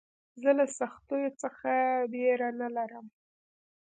زه له سختیو څخه بېره نه لرم.